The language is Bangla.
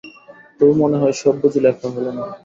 তবু মনে হয় সব বুঝি লেখা হলো না।